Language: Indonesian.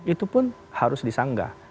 itu pun harus disanggah